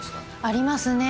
ありますね。